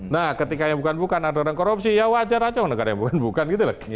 nah ketika yang bukan bukan ada orang korupsi ya wajar aja orang negara yang bukan bukan gitu loh